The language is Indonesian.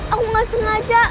aku gak sengaja